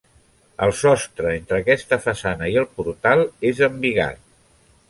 El sostre entre aquesta façana i el portal és embigat.